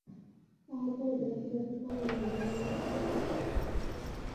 তাঁহার পরিধানে ছিল একটি কমলালেবু রঙের আলখাল্লা, উহার কটিবন্ধটি লাল।